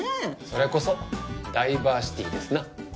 それこそダイバーシティですな。